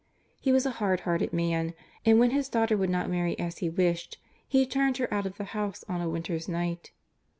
He was a hard hearted man and when his daughter would not marry as he wished he turned her out of the house on a winter's night.